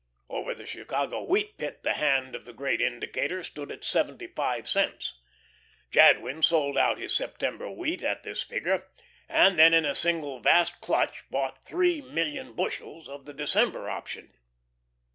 Over the Chicago Wheat Pit the hand of the great indicator stood at seventy five cents. Jadwin sold out his September wheat at this figure, and then in a single vast clutch bought three million bushels of the December option.